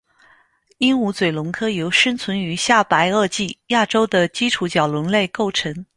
鹦鹉嘴龙科由生存于下白垩纪亚洲的基础角龙类构成。